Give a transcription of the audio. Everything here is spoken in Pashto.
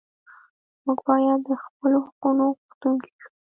موږ باید د خپلو حقونو غوښتونکي شو.